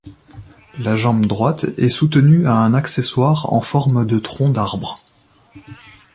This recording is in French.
La jambe droite est soutenue à un accessoire en forme de tronc d'arbre.